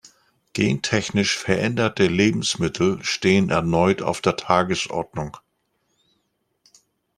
Gentechnisch veränderte Lebensmittel stehen erneut auf der Tagesordnung.